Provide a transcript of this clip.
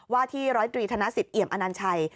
ว่าที่ร้อยตรีธนสิทธิเอี่ยมอนัญชัย